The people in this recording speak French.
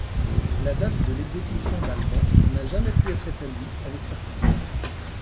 La date de l'exécution d’Alban n'a jamais pu être établie avec certitude.